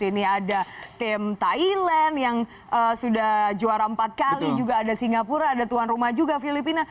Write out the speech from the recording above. ini ada tim thailand yang sudah juara empat kali juga ada singapura ada tuan rumah juga filipina